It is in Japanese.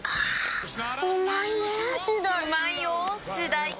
うまいよ時代！